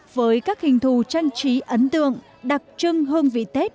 với các hình thù trang trí ấn tượng đặc trưng hương vị tết